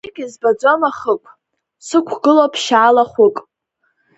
Зных избаӡом ахықә, сықәгылоуп ԥшьаала хәык.